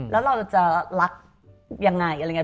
แล้วเราจะรักอย่างไร